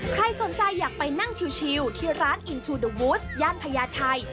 ใครสนใจอยากไปนั่งชิวที่ร้านอินทูเดอร์วูสย่านพญาไทย